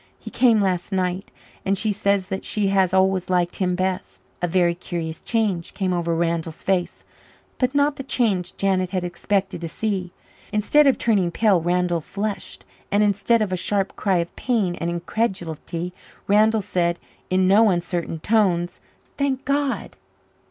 He came last night and she says that she has always liked him best." A very curious change came over Randall's face but not the change Janet had expected to see. Instead of turning pale Randall flushed; and instead of a sharp cry of pain and incredulity, Randall said in no uncertain tones, "Thank God!"